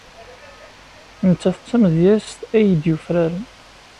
Nettat d tamedyazt ay d-yufraren.